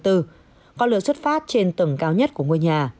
ngọn lửa xuất phát trên tầng cao nhất của ngôi nhà